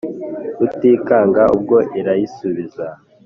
Rutikanga ubwo irayisubiza